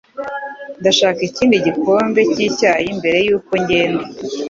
Ndashaka ikindi gikombe cyicyayi mbere yuko ngenda.